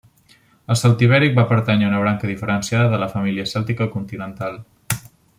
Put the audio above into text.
El celtibèric va pertànyer a una branca diferenciada de la família cèltica continental.